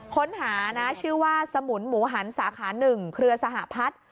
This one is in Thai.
ค้นหานะชื่อว่าสมุนหมูหันสาขา๑เครือสหพัฒน์